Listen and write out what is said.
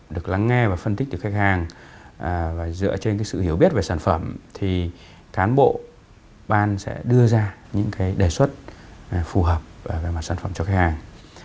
được lắng nghe và phân tích từ khách hàng và dựa trên sự hiểu biết về sản phẩm thì cán bộ ban sẽ đưa ra những cái đề xuất phù hợp về mặt sản phẩm cho khách hàng